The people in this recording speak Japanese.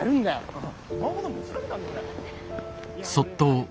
ああ。